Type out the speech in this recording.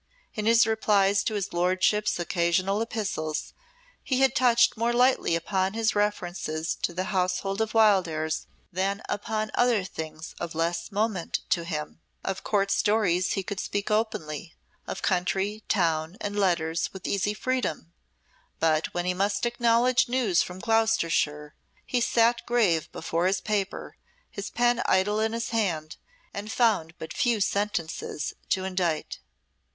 In his replies to his lordship's occasional epistles he had touched more lightly upon his references to the household of Wildairs than upon other things of less moment to him. Of Court stories he could speak openly, of country, town, and letters, with easy freedom, but when he must acknowledge news from Gloucestershire, he sate grave before his paper, his pen idle in his hand, and found but few sentences to indite.